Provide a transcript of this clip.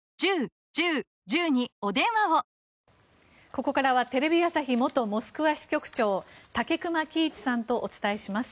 ここからはテレビ朝日元モスクワ支局長武隈喜一さんとお伝えします。